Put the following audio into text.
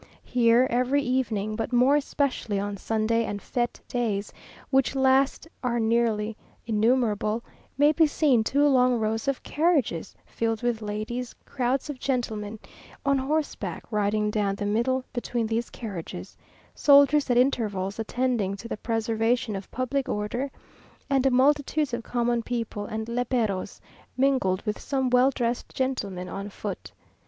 Here, every evening, but more especially on Sundays and fête days, which last are nearly innumerable, may be seen two long rows of carriages filled with ladies, crowds of gentlemen on horseback riding down the middle between these carriages, soldiers at intervals attending to the preservation of public order, and multitudes of common people and léperos, mingled with some well dressed gentlemen on foot.